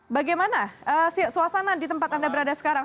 bagaimana suasana di tempat anda berada sekarang